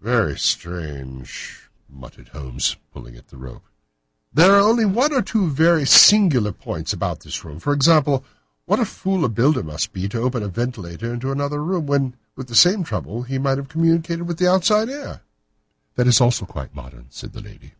"Very strange!" muttered Holmes, pulling at the rope. "There are one or two very singular points about this room. For example, what a fool a builder must be to open a ventilator into another room, when, with the same trouble, he might have communicated with the outside air!" "That is also quite modern," said the lady.